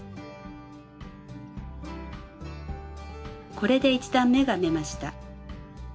これで１段めが編めました。